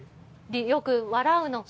よく笑うのか。